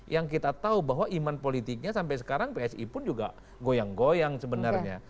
yang kita tahu bahwa iman politiknya sampai sekarang psi pun juga goyang goyang sebenarnya